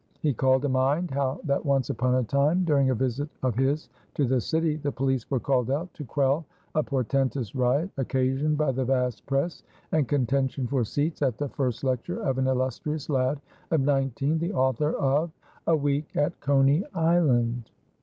He called to mind, how that once upon a time, during a visit of his to the city, the police were called out to quell a portentous riot, occasioned by the vast press and contention for seats at the first lecture of an illustrious lad of nineteen, the author of "A Week at Coney Island."